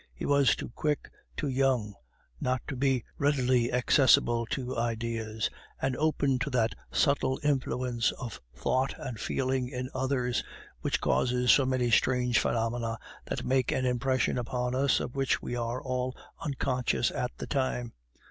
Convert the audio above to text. He was too quick, too young, not to be readily accessible to ideas; and open to that subtle influence of thought and feeling in others which causes so many strange phenomena that make an impression upon us of which we are all unconscious at the time.